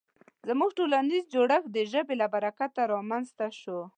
زموږ ټولنیز جوړښت د ژبې له برکته رامنځ ته شو.